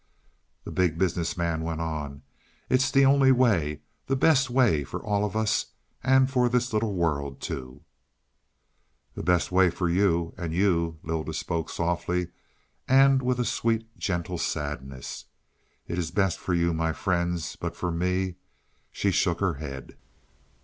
The Big Business Man went on, "It's the only way the best way for all of us and for this little world, too." "The best way for you and you." Lylda spoke softly and with a sweet, gentle sadness. "It is best for you, my friends. But for me " She shook her head.